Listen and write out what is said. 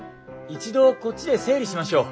一度こっちで整理しましょう。